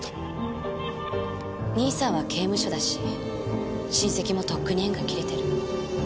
兄さんは刑務所だし親戚もとっくに縁が切れてる。